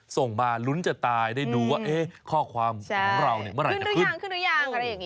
ส่งมาลุ้นจะตายได้ดูว่าข้อความของเราเมื่อไรจะขึ้น